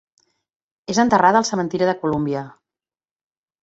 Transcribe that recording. És enterrada al cementiri de Columbia.